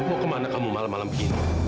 mau ke mana kamu malam malam begini